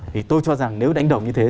thì tôi cho rằng nếu đánh đồng như thế